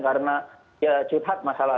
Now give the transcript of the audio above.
karena curhat masalah